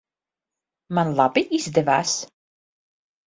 Man labi izdevās?